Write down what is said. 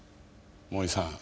森さん